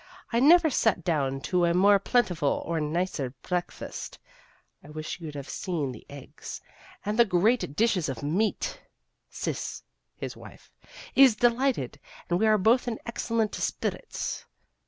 I never sat down to a more plentiful or a nicer breakfast. I wish you could have seen the eggs and the great dishes of meat. Sis [his wife] is delighted, and we are both in excellent spirits.